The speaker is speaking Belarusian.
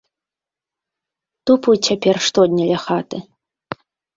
Тупаю цяпер штодня ля хаты.